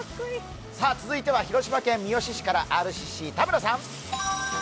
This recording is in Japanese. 続いては広島県三次市からＲＣＣ田村さん。